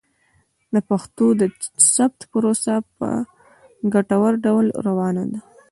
د پښتو د ثبت پروسه په ګټور ډول روانه ده.